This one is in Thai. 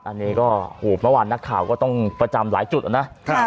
อันนี้ก็เมื่อวานนักข่าวก็ต้องประจำหลายจุดนะ